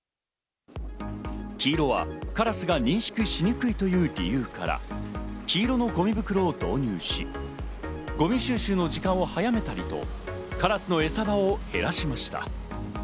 黄色はカラスが認識しにくいという理由から黄色のゴミ袋を導入し、ゴミ収集の時間を早めたりとカラスの餌場を減らしました。